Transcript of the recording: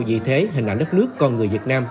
vì thế hình ảnh đất nước con người việt nam